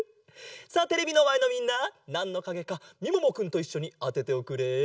さあテレビのまえのみんななんのかげかみももくんといっしょにあてておくれ。